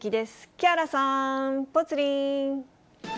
木原さん、ぽつリン。